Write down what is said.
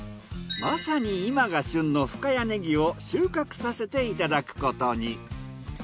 まさに今が旬の深谷ねぎを収穫させていただくことに。